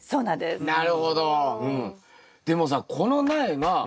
なるほど。